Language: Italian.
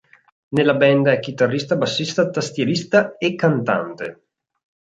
Nella band è chitarrista, bassista, tastierista e cantante.